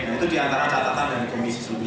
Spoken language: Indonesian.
nah itu di antara catatan dari komisi sembilan